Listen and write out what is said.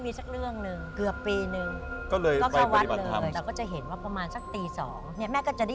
แม่ก็ทั้งในที่รับ๑๘๐แปด